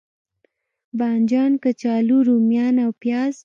بانجان، کچالو، روميان او پیاز